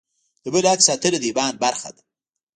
د بل حق ساتنه د ایمان برخه ده.